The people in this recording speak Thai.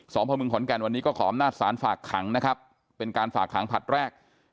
พระมึงขอนแก่นวันนี้ก็ขออำนาจศาลฝากขังนะครับเป็นการฝากขังผลัดแรก